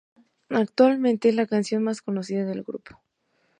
Actualmente es la canción más conocida del grupo.